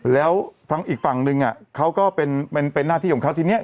แล้วทางอีกฝั่งนึงเขาก็เป็นหน้าที่ของเขาทีนี้